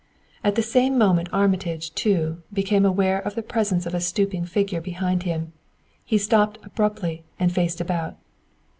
At the same moment Armitage, too, became aware of the presence of a stooping figure behind him. He stopped abruptly and faced about.